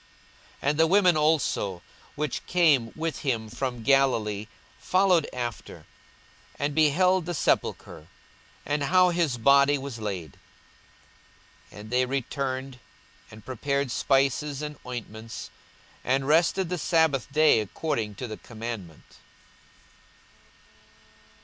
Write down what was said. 42:023:055 And the women also, which came with him from Galilee, followed after, and beheld the sepulchre, and how his body was laid. 42:023:056 And they returned, and prepared spices and ointments; and rested the sabbath day according to the commandment.